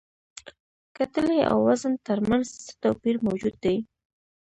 کتلې او وزن تر منځ څه توپیر موجود دی؟